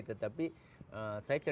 tetapi saya ceritakan